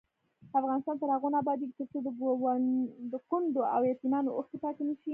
افغانستان تر هغو نه ابادیږي، ترڅو د کونډو او یتیمانو اوښکې پاکې نشي.